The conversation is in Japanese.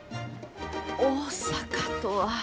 大阪とは。